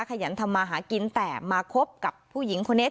ขยันทำมาหากินแต่มาคบกับผู้หญิงคนนี้